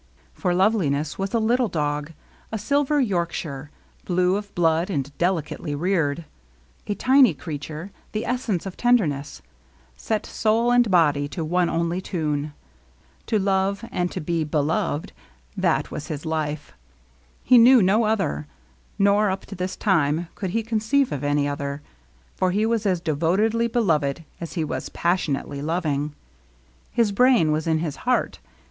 For LoveliQess was a little dog ; a silver York shire, blue of blood and delicately reared, — a tiny creature, the essence of tenderness; set, soul and body, to one only tune. To love and to be be loved, — that was his life. He knew no other, nor up to this time could he conceive of any other ; for he was as devotedly beloved as he was passionately loving. His brain was in his heart.